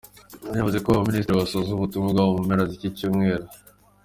Yavuze ko abo baminisitiri bazasoza ubutumwa bwabo mu mpera z’iki cyumweru.